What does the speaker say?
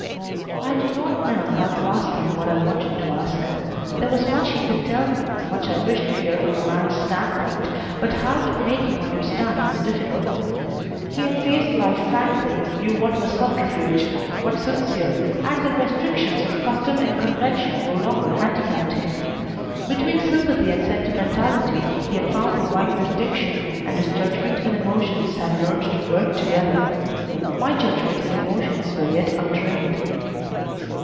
I did not know how to ask him what I wanted to ask. There was much he could tell me, much I wished to hear from a man's standpoint, but how to make him understand was difficult. He had faced life frankly, knew what was subterfuge, what sincere, and the restrictions of custom and convention no longer handicapped him. Between sympathy and sentimentality he had found the right distinction, and his judgment and emotions had learned to work together. My judgment and emotions were yet untrained.